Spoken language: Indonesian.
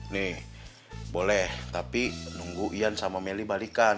nih boleh tapi nunggu ian sama meli balikan